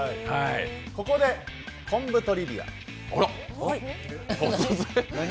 ここで昆布トリビア。